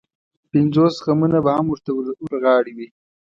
پنځوس غمونه به هم ورته ورغاړې وي.